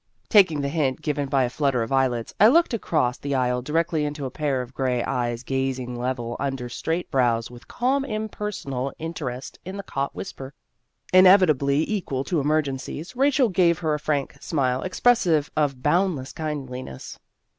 Taking the hint given by a flutter of eyelids, I looked across the aisle directly into a pair of gray eyes gazing level under straight brows with calm impersonal inter est in the caught whisper. Inevitably equal to emergencies, Rachel gave her a frank smile expressive of boundless kind liness.